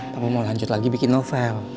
tapi mau lanjut lagi bikin novel